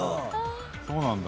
そうなんだ。